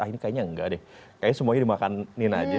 ini kayaknya enggak deh kayaknya semuanya dimakanin aja